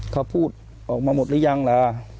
เขาพูดออกมาหมดหรือยังล่ะ